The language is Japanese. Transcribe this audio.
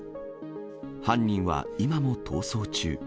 犯人は今も逃走中。